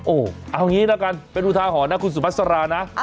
โอ้วเอางี้นะครันเป็นรุธาหอนะคุณสุภัษภารณานะ